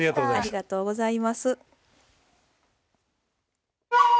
ありがとうございます。